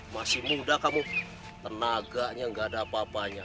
masih muda kamu tenaganya gak ada apa apanya